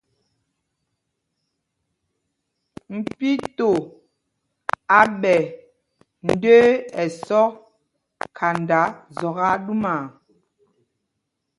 Mpito á ɓɛ ndə̄ə̄ ɛsɔk khanda zɔk aa ɗúmaa.